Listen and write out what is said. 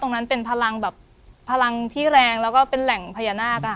ตรงนั้นเป็นพลังแบบพลังที่แรงแล้วก็เป็นแหล่งพญานาค